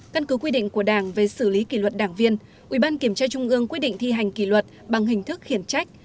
căn cứ quy định của đảng về xử lý kỷ luật đảng viên ủy ban kiểm tra trung ương quy định thi hành kỷ luật bằng hình thức khiển trách